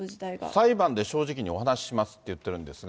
裁判で正直にお話しますって言ってるんですが。